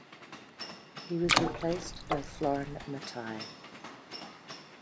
He was replaced by Florin Matei.